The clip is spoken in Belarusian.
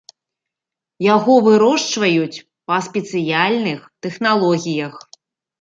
Яго вырошчваюць па спецыяльных тэхналогіях.